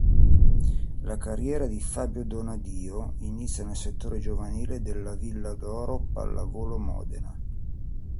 La carriera di Fabio Donadio inizia nel settore giovanile della Villa d'Oro Pallavolo Modena.